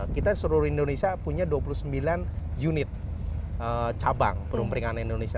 kita seluruh indonesia punya dua puluh sembilan unit cabang perumpingan indonesia